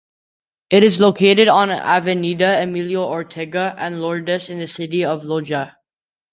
It is located on Avenida Emiliano Ortega and Lourdes in the city of Loja.